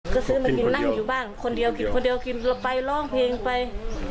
ก็ซื้อมากินนั่งอยู่บ้างคนเดียวกินคนเดียวกินเราไปร้องเพลงไป